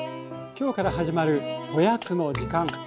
今日から始まる「おやつのじかん」。